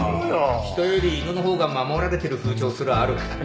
人より犬のほうが守られてる風潮すらある。